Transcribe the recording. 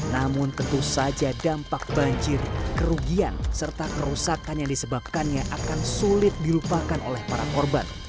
namun tentu saja dampak banjir kerugian serta kerusakan yang disebabkannya akan sulit dilupakan oleh para korban